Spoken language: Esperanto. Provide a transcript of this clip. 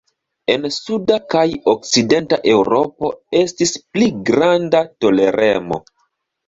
En suda kaj okcidenta Eŭropo estis pli granda toleremo.